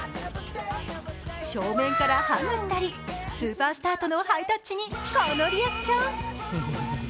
正面からハグしたり、スーパースタートのハイタッチにこのリアクション。